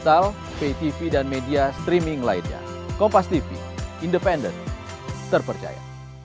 ya ini yang keempat kalinya terjadi